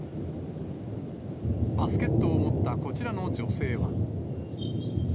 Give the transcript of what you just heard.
バスケットを持ったこちらの女性は。